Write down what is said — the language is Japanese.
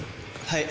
はい。